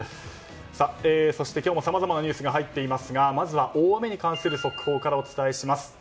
そして今日もさまざまなニュースが入っていますがまずは大雨に関する速報からお伝えします。